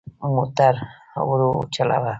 موټر ورو چلوه.